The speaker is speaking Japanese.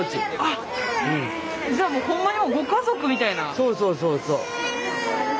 そうそうそうそう。